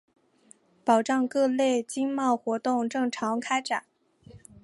保障各类经贸活动正常开展